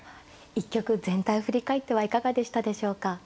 一局全体を振り返ってはいかがでしたでしょうか。